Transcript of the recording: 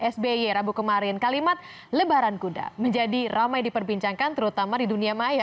sby rabu kemarin kalimat lebaran kuda menjadi ramai diperbincangkan terutama di dunia maya